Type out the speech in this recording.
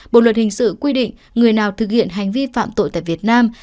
bộ luật hình sự quy định người nào thực hiện hành vi phạm tội tại việt nam